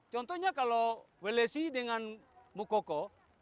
contohnya kalau welesi dengan mukoko